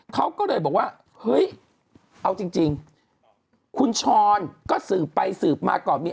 เขาก็เลยบอกว่าเฮ้ยเอาจริงคุณช้อนก็สืบไปสืบมาก่อนมี